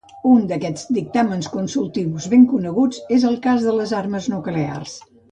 Un d'aquests dictàmens consultius ben coneguts és el "Cas de les Armes Nuclears".